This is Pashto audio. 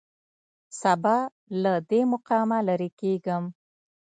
سبا له دې مقامه لېرې کېږم.